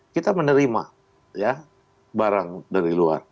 kita menerima barang dari luar